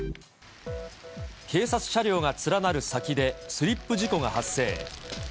警察車両が連なる先で、スリップ事故が発生。